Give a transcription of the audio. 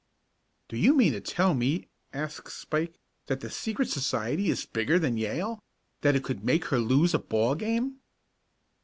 "Do you mean to tell me," asked Spike, "that the secret society is bigger than Yale that it could make her lose a ball game?"